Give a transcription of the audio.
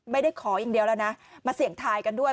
ไม่ได้ขออย่างเดียวแล้วนะมาเสี่ยงทายกันด้วย